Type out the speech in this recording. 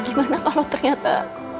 gimana kalau ternyata